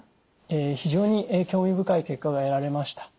非常に興味深い結果が得られました。